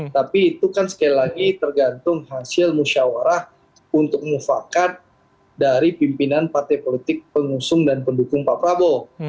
tapi itu kan sekali lagi tergantung hasil musyawarah untuk mufakat dari pimpinan partai politik pengusung dan pendukung pak prabowo